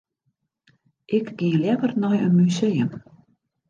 Ik gean leaver nei in museum.